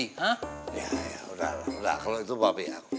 ya ya ya udah lah udah kalau itu papi aku